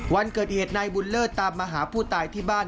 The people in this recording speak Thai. วันเกิดเหตุนายบุญเลิศตามมาหาผู้ตายที่บ้าน